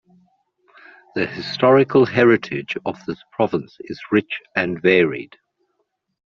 The historical heritage of this province is rich and varied.